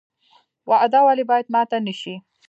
وعده ولې باید ماته نشي؟